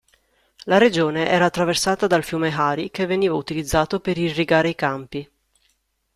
La regione era attraversata dal fiume Hari, che veniva utilizzato per irrigare i campi.